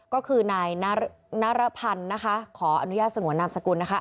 ก็คือนายนารพันธ์นะคะขออนุญาตสงวนนามสกุลนะคะ